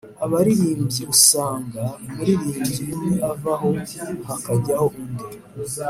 abaririmbyi usanga umuririmbyi umwe avaho hakajyaho undi